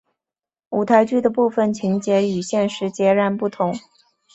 舞台剧的部分情节与现实截然不同。